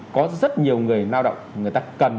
có rất nhiều người lao động người ta cần